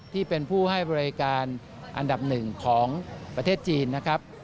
ที่เป็นผู้ให้บริการอันดับหนึ่งของประเทศจีนนะครับ